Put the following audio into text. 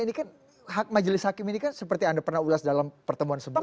ini kan hak majelis hakim ini kan seperti anda pernah ulas dalam pertemuan sebelumnya